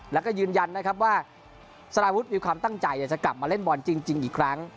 แล้วก็ยืนยันนะครับว่าสารวุฒิมีความตั้งใจจะกลับมาเล่นบอลจริงอีกครั้ง